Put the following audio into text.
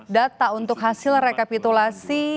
data untuk hasil rekapitulasi